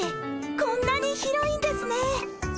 こんなに広いんですね。